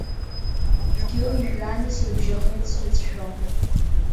Дгьыли жәҩани срыбжьахеит срыцәшәо…